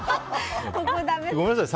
ごめんなさい。